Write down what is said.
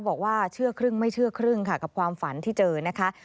บอกว่าเชื่อครึ่งไม่เชื่อครึ่งค่ะกับความฝันที่เจอนะคะ